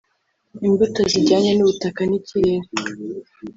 imbuto zijyanye n’ubutaka n’ikirere